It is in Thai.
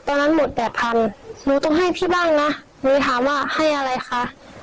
ตอนนั้นหมดแปดพันหนูต้องให้พี่บ้างนะหนูถามว่าให้อะไรคะ